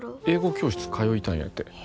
英語教室通いたいんやて。